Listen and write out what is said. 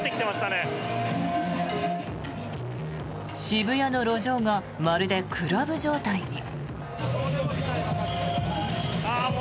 渋谷の路上がまるでクラブ状態に。